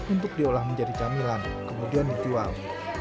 untuk diolah menjadi camilan kemudian dijual